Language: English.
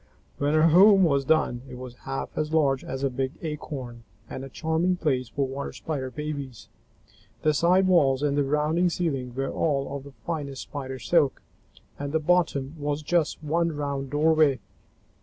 When her home was done, it was half as large as a big acorn and a charming place for Water Spider babies. The side walls and the rounding ceiling were all of the finest Spider silk, and the bottom was just one round doorway.